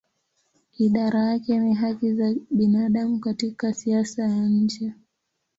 Idara yake ni haki za binadamu katika siasa ya nje.